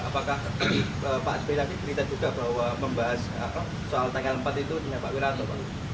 apakah pak sby tadi cerita juga bahwa membahas soal tanggal empat itu dengan pak wiranto pak